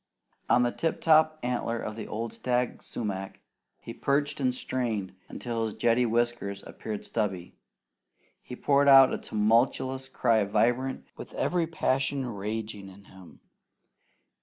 On the tip top antler of the old stag sumac, he perched and strained until his jetty whiskers appeared stubby. He poured out a tumultuous cry vibrant with every passion raging in him.